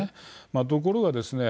ところがですね